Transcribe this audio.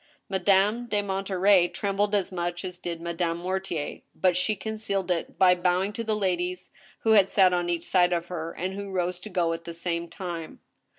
Madame de Monterey trembled as much as did Madame Mortier ; but she concealed it by bowing to the ladies who had sat on each side of her, and who rose to go at the same time.